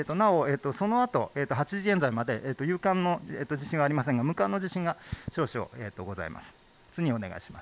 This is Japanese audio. そのあと８時現在まで有感の地震はありませんが無感の地震は少々あります。